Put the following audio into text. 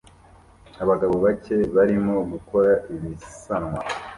Abagabo bake barimo gukora ibisanwa